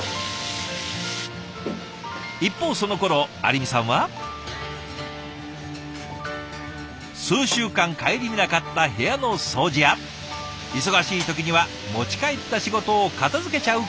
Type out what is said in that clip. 一方そのころ有美さんは。数週間顧みなかった部屋の掃除や忙しい時には持ち帰った仕事を片づけちゃうことも。